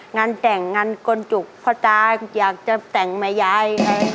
งานแต่งงานกลจุกพ่อตาอยากจะแต่งแม่ยาย